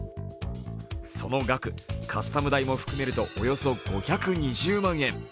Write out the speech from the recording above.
その額カスタム代も含めるとおよそ５２０万円。